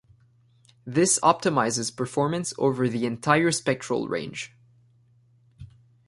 This optimizes performance over the entire spectral range.